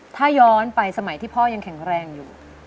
ถ้าย้อนไปสมัยที่พ่อยังแข็งแรงอยู่